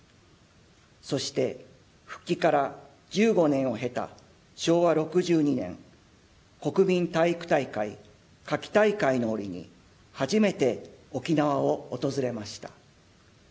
そして、復帰から１５年を経た昭和６２年国民体育大会夏季大会の折に初めて沖縄を訪れました。